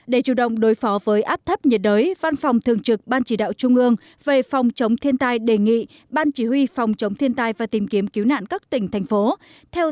để chủ động đối phó với áp thấp nhiệt đới văn phòng thường trực ban chỉ đạo trung ương về phòng chống thiên tai đề nghị ban chỉ huy phòng chống thiên tai và tìm kiếm cứu nạn các tỉnh thành phố